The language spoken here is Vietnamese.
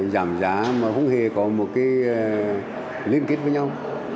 giảm giá mà không hề có một liên kết với nhau